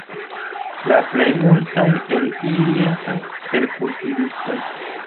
La plej multaj el ili estas terkultivistoj.